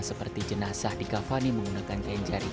seperti jenazah di kafani masyarakat